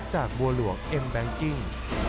หลวงเอ็นแบงกิ้ง